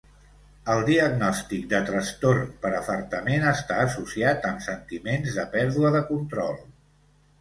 El diagnòstic de trastorn per afartament està associat amb sentiments de pèrdua de control.